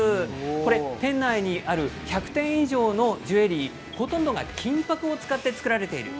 店内にある１００点以上のジュエリーほとんどが金ぱくを使って作られています。